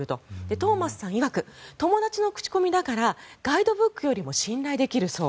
トーマスさんいわく友達の口コミらガイドブックより信頼できるそう。